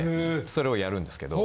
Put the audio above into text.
それをやるんですけど。